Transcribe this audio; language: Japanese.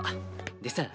でさ